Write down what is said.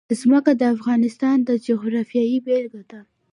ځمکه د افغانستان د جغرافیې بېلګه ده.